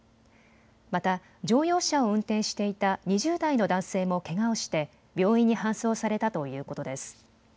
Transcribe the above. また、乗用車を運転していた２０代の男性もけがをして病院に搬送されたということです。